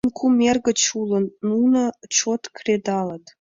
Тыйын кум эргыч уло, нуно чот кредалыт.